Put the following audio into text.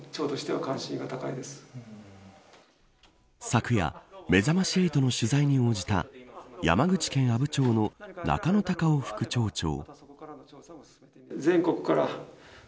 昨夜、めざまし８の取材に応じた山口県阿武町の中野貴夫副町長。